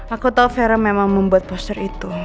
aku tahu vera memang membuat poster itu